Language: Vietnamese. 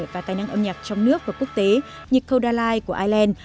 và tài năng âm nhạc trong nước và quốc tế như kodalai của ireland